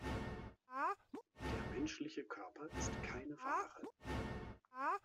Der menschliche Körper ist keine Ware.